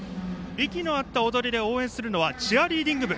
息の合った踊りで応援するのはチアリーディング部。